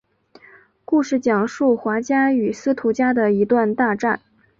故事讲述华家与司徒家的一段大战。